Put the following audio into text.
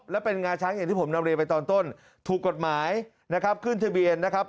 และเป็นงาช้างอย่างที่ผมนำเรียนไปตอนต้นถูกกฎหมายนะครับขึ้นทะเบียนนะครับ